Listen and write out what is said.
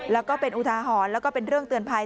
แล้วก็เป็นอุทาหรณ์แล้วก็เป็นเรื่องเตือนภัย